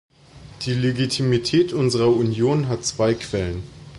Die Legitimität unserer Union hat zwei Quellen.